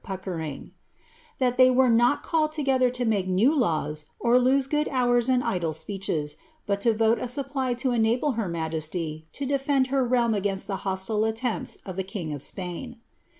Puckering, ^^ that they were not called together to make new laws, or lose good hours in idle speeches, but to fDie a supply to enable her majesty to defend her realm against the hos tile attempts of the king of Spain."